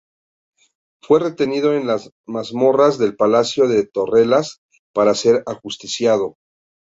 Fue retenido en las mazmorras del Palacio de Torrellas para ser ajusticiado.